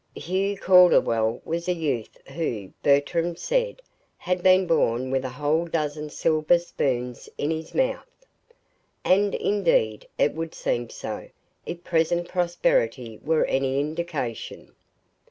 Hugh Calderwell was a youth who, Bertram said, had been born with a whole dozen silver spoons in his mouth. And, indeed, it would seem so, if present prosperity were any indication.